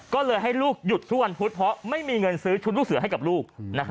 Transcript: ก็เลยให้ลูกหยุดทุกวันพุธเพราะไม่มีเงินซื้อชุดลูกเสือให้กับลูก